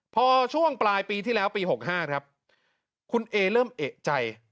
พอช่วงปลายปีที่แล้วปี๖๕ครับคุณเอเริ่มเอกใจ